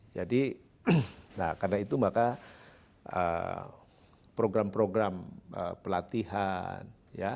jadi karena itu maka program program pelatihan